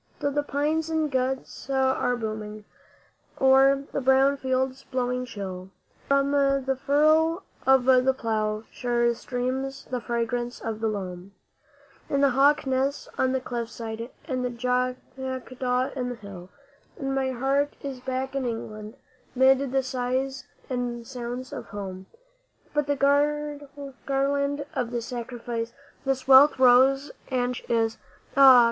Through the pines the gusts are booming, o'er the brown fields blowing chill, From the furrow of the plough share streams the fragrance of the loam, And the hawk nests on the cliffside and the jackdaw in the hill, And my heart is back in England 'mid the sights and sounds of Home. But the garland of the sacrifice this wealth of rose and peach is, Ah!